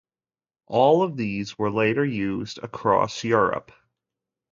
All of these were later used across Europe.